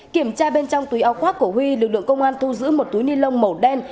kiểm tra bên trong túi áo khoác của huy lực lượng công an thu giữ một túi ni lông màu đen